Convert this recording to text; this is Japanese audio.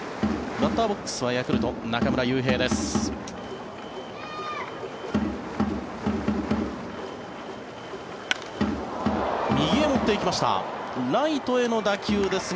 バッターボックスはヤクルト、中村悠平です。